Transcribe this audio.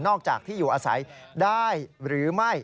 อกจากที่อยู่อาศัยได้หรือไม่